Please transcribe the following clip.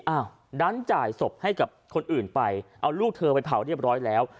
ดันจ่ายศพให้กับคนอื่นไปเอาลูกเธอไปเผาเรียบร้อยแล้ว